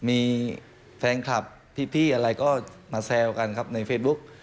มีแฟนคลับพี่อะไรก็มาแซวกันครับในเฟซบุ๊ก